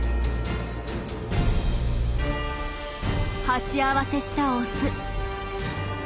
鉢合わせしたオス。